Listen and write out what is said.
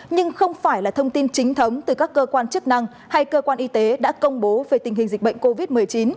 nhưng không phải là thông tin chính thống từ các cơ quan chức năng hay cơ quan y tế đã công bố về tình hình dịch bệnh covid một mươi chín